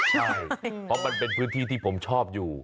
ใช่เพราะมันเป็นพื้นที่ที่ผมชอบอยู่